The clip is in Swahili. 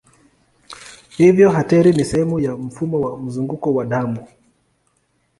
Hivyo ateri ni sehemu ya mfumo wa mzunguko wa damu.